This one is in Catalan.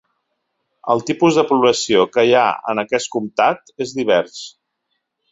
El tipus de població que hi ha en aquest comtat és divers.